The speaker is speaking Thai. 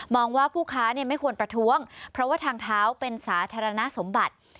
ว่าผู้ค้าไม่ควรประท้วงเพราะว่าทางเท้าเป็นสาธารณสมบัติ